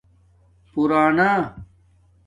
پُورانا